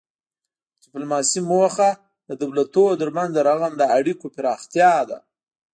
د ډیپلوماسي موخه د دولتونو ترمنځ د رغنده اړیکو پراختیا ده